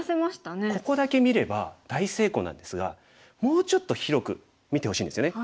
ここだけ見れば大成功なんですがもうちょっと広く見てほしいんですよね。